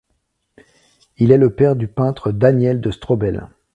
Il est le père du peintre Daniele de Strobel.